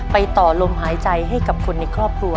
ต่อลมหายใจให้กับคนในครอบครัว